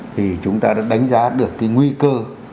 thì chúng ta đã đánh giá được cái nguy cơ